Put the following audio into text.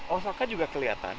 oh soka juga kelihatan